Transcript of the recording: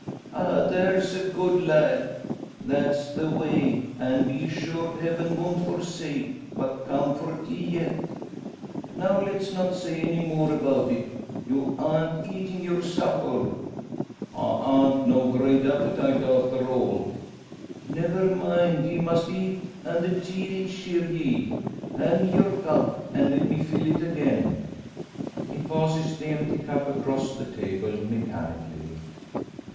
"Ah! There's a good lad! That's the way; an' be assured Heaven won't forsake, but comfort ye yet. Now, let's not say any more about it. You an't eating your supper!" "I han't no great appetite after all." "Never mind; ye must eat, an' the tea'll cheer ye. Hand me your cup, an' let me fill it again." He passes the empty cup across the table, mechanically.